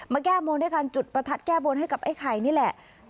แก้บนด้วยการจุดประทัดแก้บนให้กับไอ้ไข่นี่แหละ